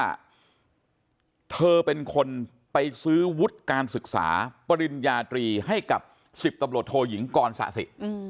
ว่าเธอเป็นคนไปซื้อวุฒิการศึกษาปริญญาตรีให้กับ๑๐ตำรวจโทยิงกรสะสิ